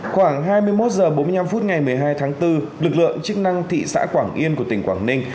khoảng hai mươi một h bốn mươi năm phút ngày một mươi hai tháng bốn lực lượng chức năng thị xã quảng yên của tỉnh quảng ninh